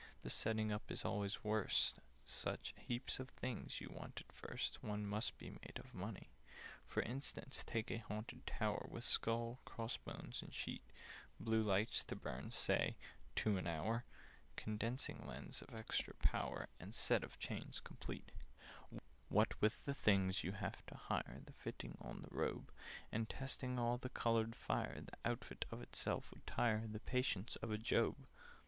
The setting up is always worst: Such heaps of things you want at first, One must be made of money! "For instance, take a Haunted Tower, With skull, cross bones, and sheet; Blue lights to burn (say) two an hour, Condensing lens of extra power, And set of chains complete: "What with the things you have to hire— The fitting on the robe— And testing all the coloured fire— The outfit of itself would tire The patience of a Job!